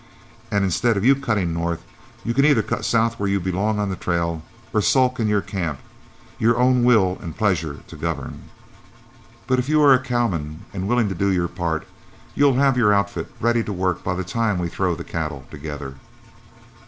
And instead of you cutting north, you can either cut south where you belong on the trail or sulk in your camp, your own will and pleasure to govern. But if you are a cowman, willing to do your part, you'll have your outfit ready to work by the time we throw the cattle together."